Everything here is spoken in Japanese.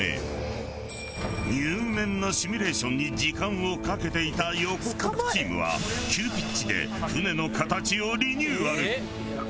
入念なシミュレーションに時間をかけていた横国チームは急ピッチで舟の形をリニューアル。